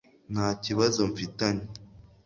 ntakibazo mfitanye